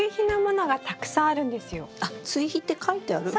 あっ「ついひ」って書いてある。